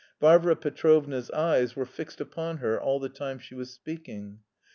Varvara Petrovna's eyes were fastened upon her all the time she was speaking.